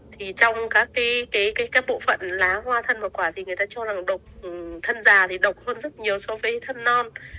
thì trong các bộ phận lá hoa thân và quả thì người ta cho rằng độc thân già thì độc hơn rất nhiều so với thân non